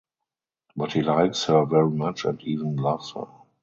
But he likes her very much and even loves her.